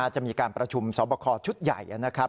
จะมีการประชุมสอบคอชุดใหญ่นะครับ